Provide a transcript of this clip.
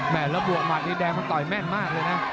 แล้วบวกหมัดนี่แดงมันต่อยแม่นมากเลยนะ